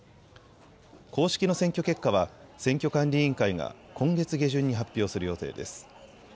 公式の選挙結果は選挙管理員会が今月下旬に発表する予定です。